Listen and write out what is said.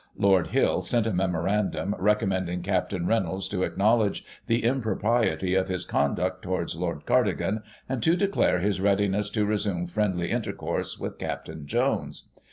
Lord Hill sent a memorandum, recommending Capt. Reynolds to acknow ledge the impropriety of his conduct towards Lord Cardigan, and to declare his readiness to resume friendly intercourse with Capt Jones.